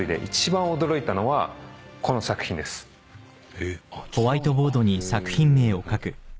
えっ？